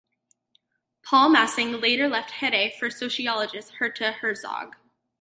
Paul Massing later left Hede for sociologist Herta Herzog.